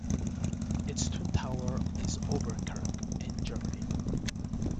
Its twin town is Oberkirch in Germany.